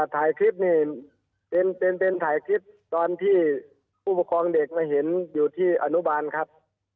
ถ่ายคลิปนี่เป็นถ่ายคลิปตอนที่ผู้ปกครองเด็กมาเห็นอยู่ที่อนุบาลครับ